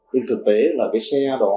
nên thực tế là cái xe đó